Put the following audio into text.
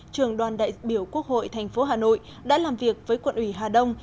trường đoàn đại biểu quốc hội thành phố hà nội đã làm việc với quận ủy hà đông